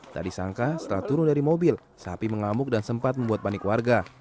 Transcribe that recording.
tak disangka setelah turun dari mobil sapi mengamuk dan sempat membuat panik warga